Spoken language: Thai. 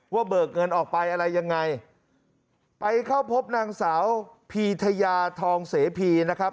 เบิกเงินออกไปอะไรยังไงไปเข้าพบนางสาวพีทยาทองเสพีนะครับ